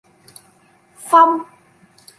Phong